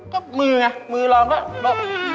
ก็มือไงมือลองก็